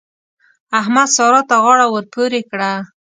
احمد؛ سارا ته غاړه ور پورې کړه.